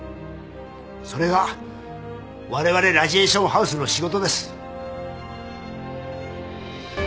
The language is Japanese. それがわれわれラジエーションハウスの仕事です。